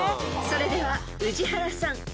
［それでは宇治原さん